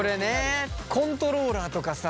コントローラーとかさ